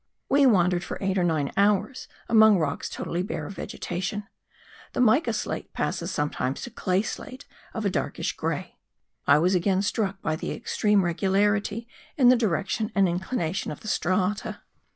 We wandered for eight or nine hours among rocks totally bare of vegetation. The mica slate passes sometimes to clay slate of a darkish grey. I was again struck by the extreme regularity in the direction and inclination of the strata.